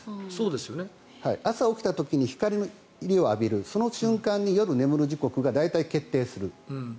朝起きた時に日の光を浴びるその瞬間に夜眠る時刻が大体決定する。